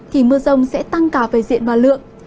thì mưa rông sẽ tăng cả về diện và lượng